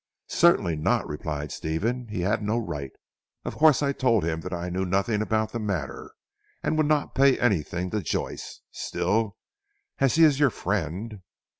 "Certainly not," replied Stephen, "he had no right. Of course I told him that I knew nothing about the matter and would not pay anything to Joyce. Still as he is your friend?